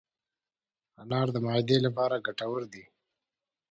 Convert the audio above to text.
انار د معدې لپاره ګټور دی.